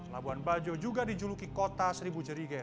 labuan bajo juga dijuluki kota seribu jerigen